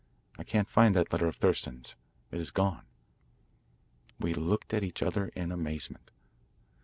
I can't find that letter of Thurston's. It is gone." We looked at each other in amazement.